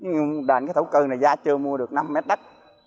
nhưng đền cái thổ cư này giá chưa mua được năm mét đất